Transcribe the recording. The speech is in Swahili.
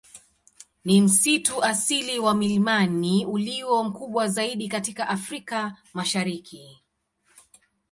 Ni msitu asili wa milimani ulio mkubwa zaidi katika Afrika Mashariki.